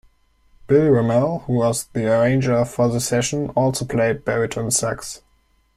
Bill Ramall, who was the arranger for the session, also played baritone sax.